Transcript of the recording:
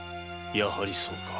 やはりそうか。